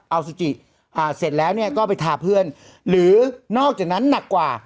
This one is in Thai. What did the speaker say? เอาสุจิอ่าเสร็จแล้วเนี่ยก็ไปทาเพื่อนหรือนอกจากนั้นหนักกว่า